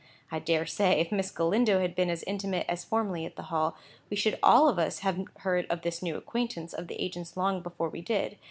I dare say, if Miss Galindo had been as intimate as formerly at the Hall, we should all of us have heard of this new acquaintance of the agent's long before we did.